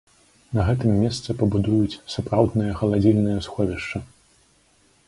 На гэтым месцы пабудуюць сапраўднае халадзільнае сховішча.